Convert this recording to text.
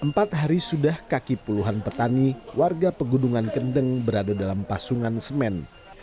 empat hari sudah kaki puluhan petani warga pegunungan kendeng berada dalam pasungan semen